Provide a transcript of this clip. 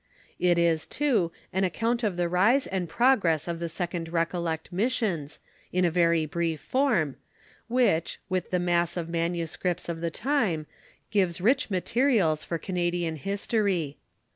It is, too, an account of the rise and progress of the second Recollect missions, in a very brief form, which, with the mass of manuscripts of the time, gives rich materials for Cana dian history.